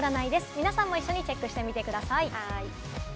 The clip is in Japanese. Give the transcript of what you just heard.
皆さんも一緒にチェックしてみてください。